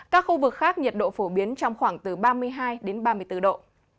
các khu vực khác nhiệt độ phổ biến trong khoảng từ ba mươi hai đến ba mươi bốn độ